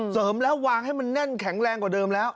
เสริมแล้ววางให้มันแน่นแข็งแรงกว่าเดิมแล้ว